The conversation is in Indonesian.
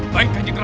baik kanjeng ratu